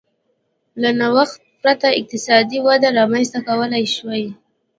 له نوښت پرته اقتصادي وده رامنځته کولای شوای